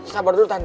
sabar dulu tante